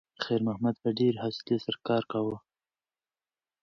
خیر محمد په ډېرې حوصلې سره کار کاوه.